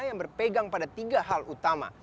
yang berpegang pada tiga hal utama